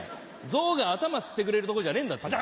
ゾウが頭吸ってくれるとこじゃねえんだって。